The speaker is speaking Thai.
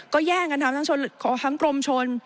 ก็แย่งกันทำทั้งชนทั้งกรมชน